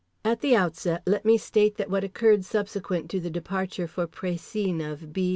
At the outset let me state that what occurred subsequent to the departure for Précigne of B.